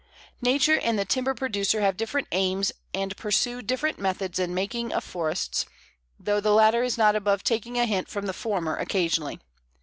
Nature and the timber producer have different aims and pursue different methods in the making of forests, though the latter is not above taking a hint from the former occasionally.